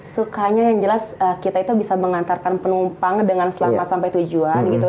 sukanya yang jelas kita itu bisa mengantarkan penumpang dengan selamat sampai tujuan gitu